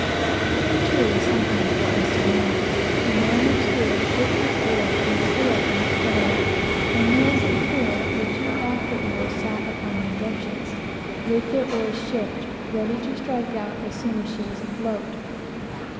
Here, too, was something for us to learn. The man who steered, shipped his oar and stood up in the stern, and those that pulled the after oars sat upon their benches, with their oars shipped, ready to strike out as soon as she was afloat.